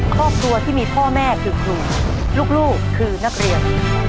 ครอบครัวที่มีพ่อแม่คือครูลูกคือนักเรียน